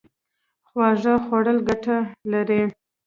خواږه خوړل ګټه لري